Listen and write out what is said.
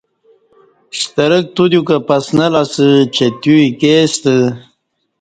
شترک تودیوکہ پسنہ لہ اسہ چہ تیو ایکے ستہ